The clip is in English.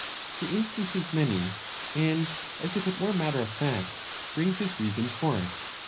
He instances many, and, as if it were matter of fact, brings his reasons for it.